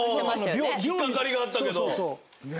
引っ掛かりがあったけど。